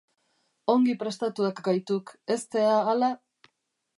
Ongi prestatuak gaituk, ez dea hala?